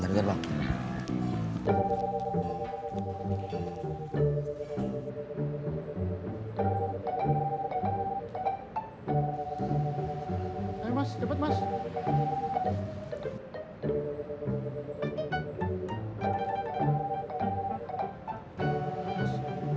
hai mas cepet mas